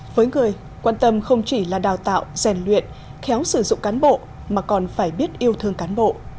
với người quan tâm không chỉ là đào tạo rèn luyện khéo sử dụng cán bộ mà còn phải biết yêu thương cán bộ